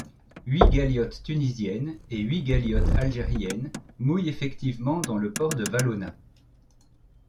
Huit galiotes tunisiennes et huit galiotes algériennes mouillent effectivement dans le port de Valona.